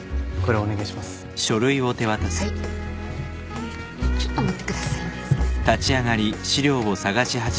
えっとちょっと待ってくださいねすいません。